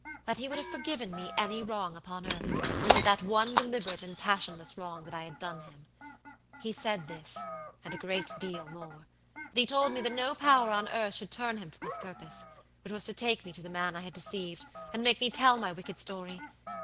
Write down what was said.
That he would have forgiven me any wrong upon earth, but that one deliberate and passionless wrong that I had done him. He said this and a great deal more, and he told me that no power on earth should turn him from his purpose, which was to take me to the man I had deceived, and make me tell my wicked story.